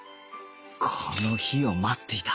この日を待っていた